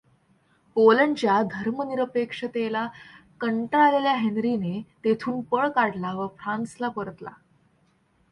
पोलंडच्या धर्मनिरपेक्षतेला कंटाळलेल्या हेन्रीने तेथून पळ काढला व फ्रांसला परतला.